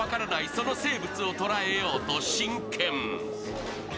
その生物を捉えようと真剣。